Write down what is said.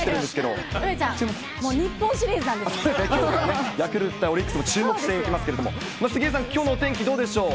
もう、日本シリーズなんですヤクルト対オリックスも注目していきますけれども、杉江さん、きょうのお天気どうでしょう。